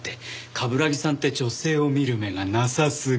冠城さんって女性を見る目がなさすぎ。